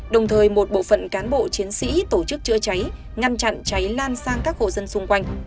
đồng thời một bộ phận cán bộ chiến sĩ tổ chức chữa cháy ngăn chặn cháy lan sang các hộ dân xung quanh